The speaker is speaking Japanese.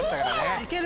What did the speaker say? いける？